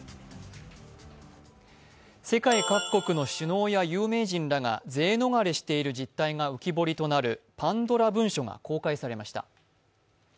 世界各国の首脳や有名人らが税逃れしている実態が浮き彫りとなるパンドラ文書が公開されました。